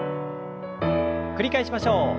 繰り返しましょう。